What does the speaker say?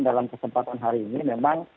dalam kesempatan hari ini memang